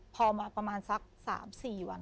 พอมาประมาณสัก๓๔วัน